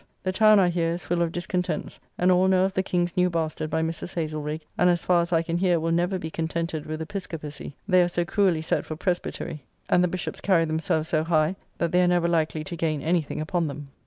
The town, I hear, is full of discontents, and all know of the King's new bastard by Mrs. Haslerigge, and as far as I can hear will never be contented with Episcopacy, they are so cruelly set for Presbytery, and the Bishopps carry themselves so high, that they are never likely to gain anything upon them.